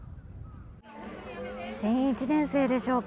新１年生でしょうか